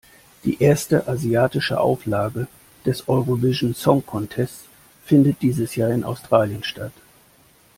Die erste asiatische Auflage des Eurovision Song Contest findet dieses Jahr in Australien statt.